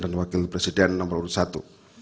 dan wakil presiden nomor urut satu